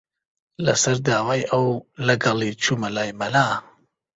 لەسەر داوای ئەو، لەگەڵی چوومە لای مەلا